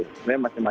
tapi macem macem lah